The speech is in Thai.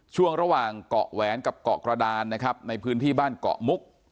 ช่วงระหว่างเกาะแหวนกับเกาะกระดานนะครับในพื้นที่บ้านเกาะมุก